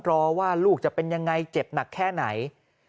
รอว่าลูกจะเป็นยังไงเจ็บหนักแค่ไหน